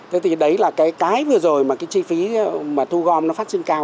thế thì đấy là cái vừa rồi mà cái chi phí mà thu gom nó phát sinh cao